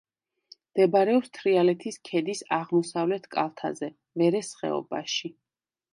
მდებარეობს თრიალეთის ქედის აღმოსავლეთ კალთაზე, ვერეს ხეობაში.